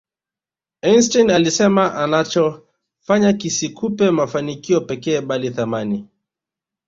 Einstein alisema unachofanya kisikupe mafanikio pekee bali thamani